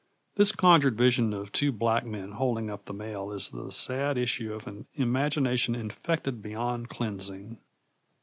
This conjured vision of two black men holding up the mail is the sad issue of an imagination infected beyond cleansing.